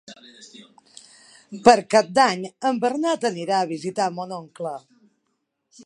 Per Cap d'Any en Bernat anirà a visitar mon oncle.